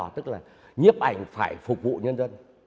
tức là nhiếp ảnh phải phục vụ nhân dân